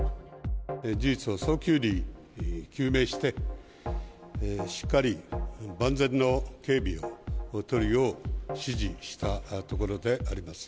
事実を早急に究明して、しっかり万全の警備を取るよう指示したところであります。